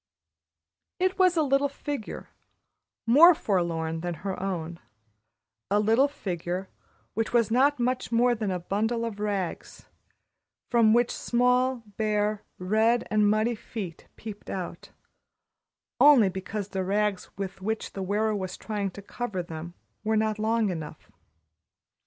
It was a little figure more forlorn than her own a little figure which was not much more than a bundle of rags, from which small, bare, red and muddy feet peeped out only because the rags with which the wearer was trying to cover them were not long enough.